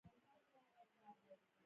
کتابچه موږ لوستو ته هڅوي